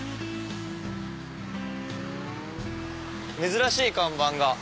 珍しい看板が。